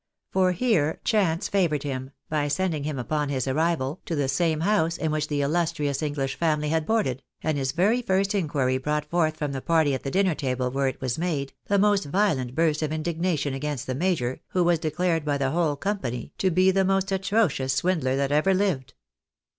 For here chance favoured him, by sending him upon his arrival to the same house in which the illustrious English family had boarded, and his very first inquiry brought forth from the party at the dinner table where it was made, the most violent burst of indignation against the major, who was ■declared by the whole company to be the most atrocious swindler that ever lived.